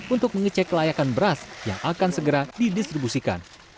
untuk mengecek kelayakan beras yang akan segera didistribusikan